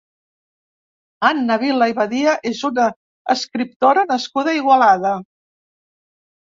Anna Vila i Badia és una escriptora nascuda a Igualada.